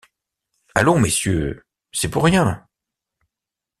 Allons, messieurs, c’est pour rien !…